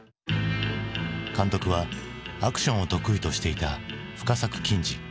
監督はアクションを得意としていた深作欣二。